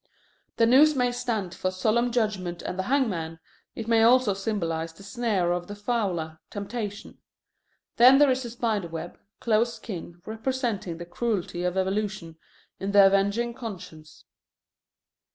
The noose may stand for solemn judgment and the hangman, it may also symbolize the snare of the fowler, temptation. Then there is the spider web, close kin, representing the cruelty of evolution, in The Avenging Conscience.